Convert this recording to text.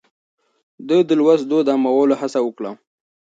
ده د لوست دود عامولو هڅه وکړه.